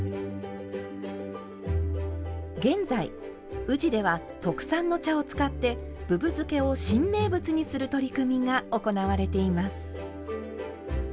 現在、宇治では特産の茶を使ってぶぶ漬けを新名物にする取り組みが行われています。